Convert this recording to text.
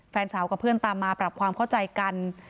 แฟนสาวกับเพื่อนตามมาปรับความเข้าใจกัน